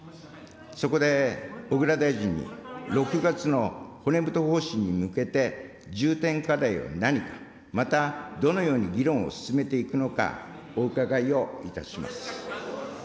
そこで小倉大臣に、６月の骨太方針に向けて、重点課題は何か、またどのように議論を進めていくのか、お伺いをいたします。